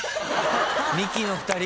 ミキの２人が？